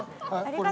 これ？